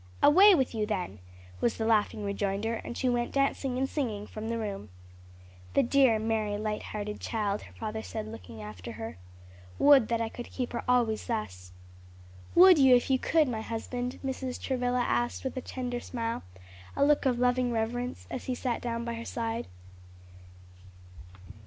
"Away with you then!" was the laughing rejoinder, and she went dancing and singing from the room. "The dear, merry, light hearted child," her father said, looking after her. "Would that I could keep her always thus." "Would you if you could, my husband?" Mrs. Travilla asked with a tender smile, a look of loving reverence, as he sat down by her side.